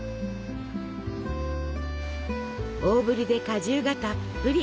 大ぶりで果汁がたっぷり。